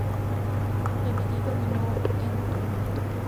El mitin terminó en tumulto.